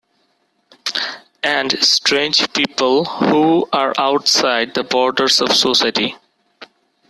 And strange people who are outside the borders of society.